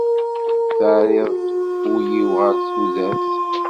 terriḍ-d ul-iw ɣer tudert.